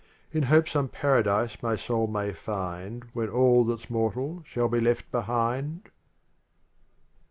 In hope some paradise my soul may find When aU that h s mortal shall be left behind